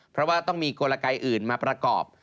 เพราะว่าต้องมีกลไกอื่นมาประกอบ